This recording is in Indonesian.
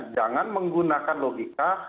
jangan menggunakan logika